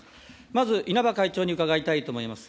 まず、稲葉会長に伺いたいと思います。